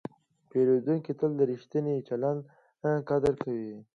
پیرودونکی تل د ریښتیني چلند قدر کوي.